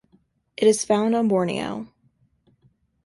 It is found on Borneo.